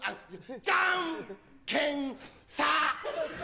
じゃんけんサァ！